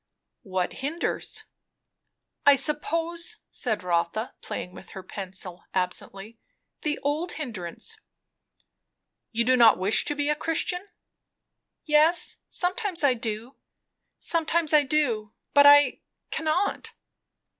"What hinders?" "I suppose," said Rotha, playing with her pencil absently, "the old hindrance." "You do not wish to be a Christian." "Yes, sometimes I do. Sometimes I do. But I cannot."